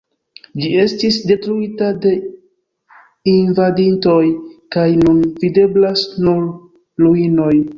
Ĝi estis detruita de invadintoj, kaj nun videblas nur ruinoj.